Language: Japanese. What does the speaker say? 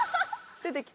出てきた。